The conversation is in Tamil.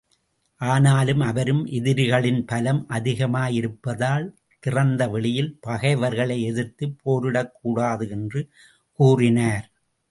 ஆனாலும், அவரும் எதிரிகளின் பலம் அதிகமாயிருப்பதால், திறந்த வெளியில் பகைவர்களை எதிர்த்துப் போரிடக் கூடாது என்று கூறினார்.